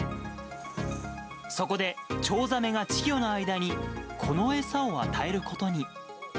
そこで、チョウザメが稚魚に間に、この餌を与えることに。